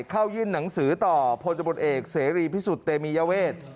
เข้ายื่นหนังสือต่อพลตำรวจเอกเสรีพิสุทธิเตมียเวท